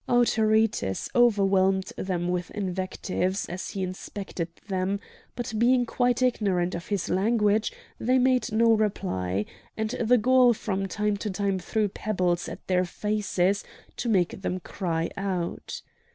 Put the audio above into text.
Autaritus overwhelmed them with invectives as he inspected them, but being quite ignorant of his language they made no reply; and the Gaul from time to time threw pebbles at their faces to make them cry out.